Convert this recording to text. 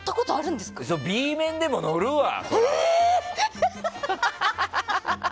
Ｂ面でも乗るわ。